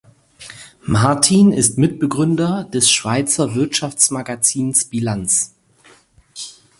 Martin ist Mitbegründer des Schweizer Wirtschaftsmagazins Bilanz.